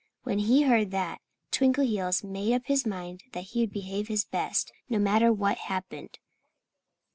When he heard that, Twinkleheels made up his mind that he would behave his best, no matter what happened.